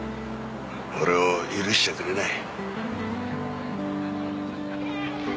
俺を許しちゃくれない。